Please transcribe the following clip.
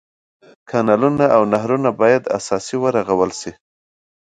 کانلونه او نهرونه باید اساسي ورغول شي.